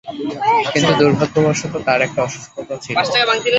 কিন্তু দুর্ভাগ্যবশত তার একটা অসুস্থতা ছিল।